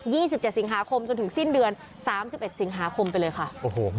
สิบเจ็ดสิงหาคมจนถึงสิ้นเดือนสามสิบเอ็ดสิงหาคมไปเลยค่ะโอ้โห